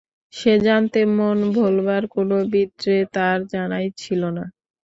সে জানত মন ভোলাবার কোনো বিদ্যে তার জানাই ছিল না।